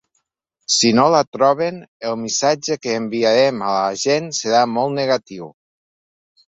Si no la troben, el missatge que enviarem a la gent serà molt negatiu.